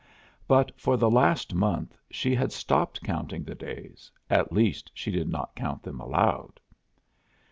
But, for the last month she had stopped counting the days at least she did not count them aloud.